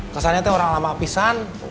kesannya teh orang lama hapisan